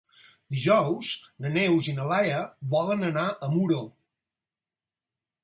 Dijous na Neus i na Laia volen anar a Muro.